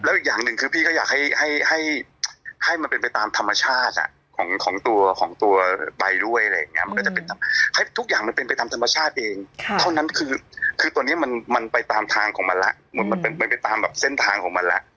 แล้วอีกอย่างหนึ่งคือพี่ก็อยากให้มันเป็นไปตามธรรมชาติของตัวใบด้วยอะไรอย่างนี้ให้ทุกอย่างมันเป็นไปตามธรรมชาติเองเท่านั้นคือตัวนี้มันไปตามทางของมันละมันไปตามแบบเส้นทางของมันละ